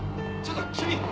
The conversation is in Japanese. ちょっと君！